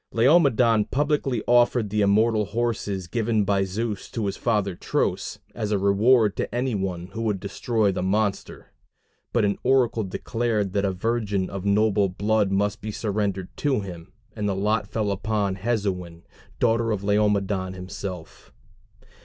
Laomedon publicly offered the immortal horses given by Zeus to his father Tros, as a reward to any one who would destroy the monster. But an oracle declared that a virgin of noble blood must be surrendered to him, and the lot fell upon Hesione, daughter of Laomedon himself.